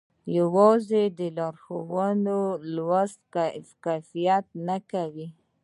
يوازې د لارښوونو لوستل کفايت نه کوي.